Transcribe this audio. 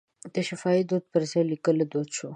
د شفاهي دود پر ځای لیک دود شو.